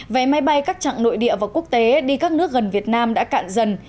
vẽ máy bay các trạng nội địa và quốc tế đi các nước gần việt nam đã cạn dần